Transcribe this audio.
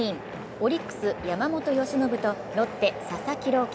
オリックス・山本由伸とロッテ・佐々木朗希。